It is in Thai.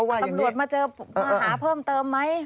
ตำรวจมาเจอมาหาเพิ่มเติมไหม